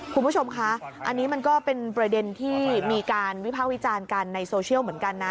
คุณผู้ชมคะอันนี้มันก็เป็นประเด็นที่มีการวิภาควิจารณ์กันในโซเชียลเหมือนกันนะ